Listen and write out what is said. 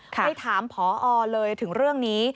ไปถามพอเลยถึงเรื่องนี้